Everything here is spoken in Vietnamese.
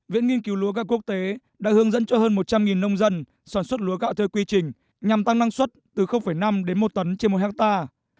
viện nghiên cứu lúa gạo quốc tế đã hướng dẫn cho hơn một trăm linh nông dân sản xuất lúa gạo theo quy trình nhằm tăng năng suất từ năm đến một tấn trên một hectare